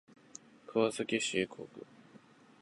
川崎市幸区